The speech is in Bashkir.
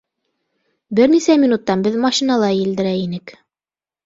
Бер нисә минуттан беҙ машинала елдерә инек.